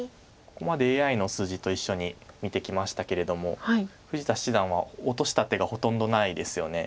ここまでＡＩの数字と一緒に見てきましたけれども富士田七段は落とした手がほとんどないですよね。